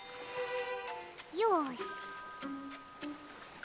よし。